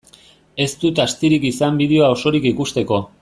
Ez dut astirik izan bideoa osorik ikusteko.